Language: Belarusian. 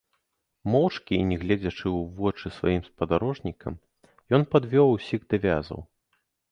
Моўчкі і не гледзячы ў вочы сваім спадарожнікам, ён падвёў усіх да вязаў.